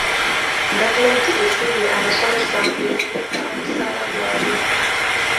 Gavumenti esiimye abasomesa nga eyongeza omusaala gwaabwe.